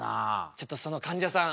ちょっとそのかんじゃさん